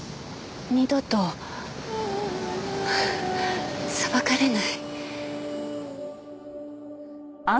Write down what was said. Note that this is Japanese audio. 二度と裁かれない。